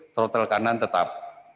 trotel kanan tetap